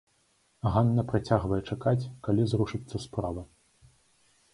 Ганна працягвае чакаць, калі зрушыцца справа.